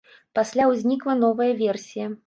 Пасля ўзнікла новая версія.